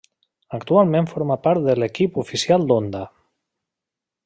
Actualment forma part de l'equip oficial d'Honda.